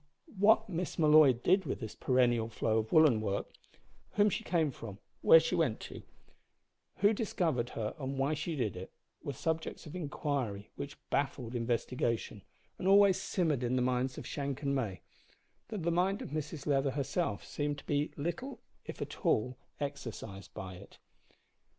What Miss Molloy did with this perennial flow of woollen work, whom she came from, where she went to, who discovered her, and why she did it, were subjects of inquiry which baffled investigation, and always simmered in the minds of Shank and May, though the mind of Mrs Leather herself seemed to be little if at all exercised by it.